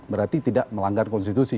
berarti tidak melanggar konstitusi